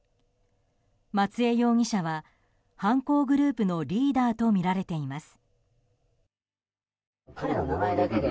松江容疑者は、犯行グループのリーダーとみられています。